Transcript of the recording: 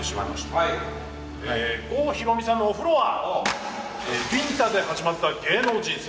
郷ひろみさんのお風呂は「ビンタで始まった芸能人生」。